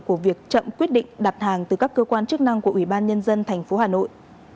của việc chậm quyết định đặt hàng từ các cơ quan chức năng của ủy ban nhân dân tp hà nội